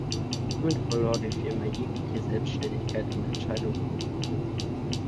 Damit verlor die Firma jegliche Selbstständigkeit und Entscheidungsbefugnis.